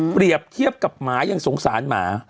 เปรียบเทียบกับหมายังสงสารหมา